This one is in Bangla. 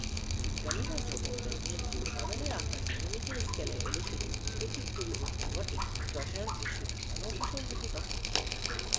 বিজ্ঞানীরা যখন দেখলেন যে উপাদানের আকার ন্যানোমিটার স্কেলে এলে সেটির প্রকৃতির পরিবর্তন ঘটে, রসায়ন এর সহিত ন্যানো-উপসর্গটি তখন যুক্ত করলেন।